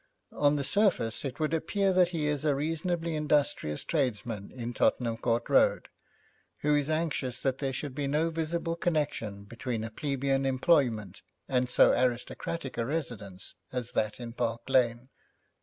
On the surface it would appear that he is a reasonably industrious tradesman in Tottenham Court Road, who is anxious that there should be no visible connection between a plebian employment and so aristocratic a residence as that in Park Lane.'